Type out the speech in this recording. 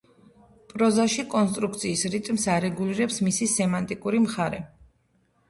პროზაში კონსტრუქციის რიტმს არეგულირებს მისი სემანტიკური მხარე.